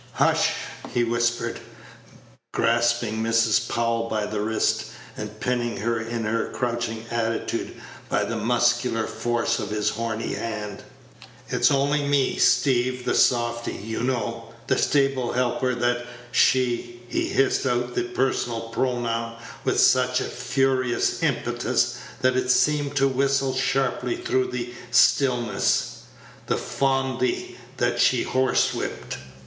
"Hush!" he whispered, grasping Mrs. Powell by the wrist, and pinning her in her crouching attitude by the muscular force of his horny hand; "it's only me, Steeve the Softy, you know; the stable helper that she" (he hissed out the personal pronoun with such a furious impetus that it seemed to whistle sharply through the stillness) "the fondy that she horsewhipped.